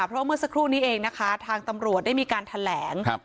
เพราะเมื่อสักครู่นี้เองนะคะทางตำรวจได้มีการแถลงครับ